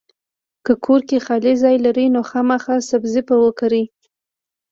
کۀ کور کې خالي ځای لرئ نو خامخا سبزي پکې وکرئ!